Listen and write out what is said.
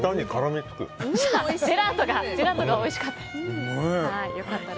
ジェラートがおいしかったと。